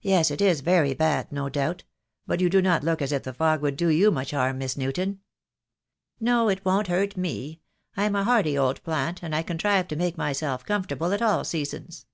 "Yes, it is very bad, no doubt; but you do not look as if the fog could do you much harm, Miss Newton." "No, it won't hurt me. I'm a hardy old plant, and I contrive to make myself comfortable at all seasons."